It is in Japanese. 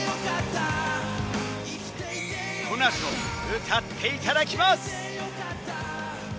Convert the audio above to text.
このあと歌っていただきます。